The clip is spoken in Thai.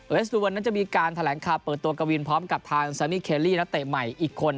เอเวสตูเวิร์นนั้นจะมีการแถลงคาปเปิดตัวกับวินพร้อมกับทางแซมมิเครลี่นัตเตะใหม่อีกคน